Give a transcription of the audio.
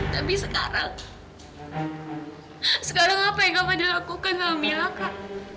tapi sekarang sekarang apa yang kak fadil lakukan sama mila kak